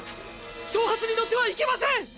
挑発に乗ってはいけません！